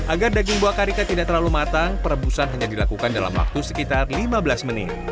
agar daging buah karika tidak terlalu matang perebusan hanya dilakukan dalam waktu sekitar lima belas menit